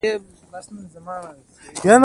شتمني له فکر کولو څخه را پیدا کېږي